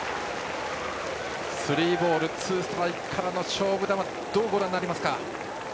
スリーボールツーストライクからの勝負球どうご覧になりますか。